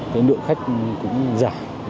cái lượng khách cũng giảm